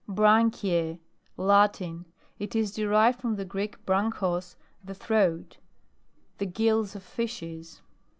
BRANCHIAE Latin. It is derived from the Greek, bragchos, the throat. The gills of fishes.